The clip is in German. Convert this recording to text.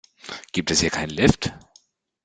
Gibt es hier keinen Lift?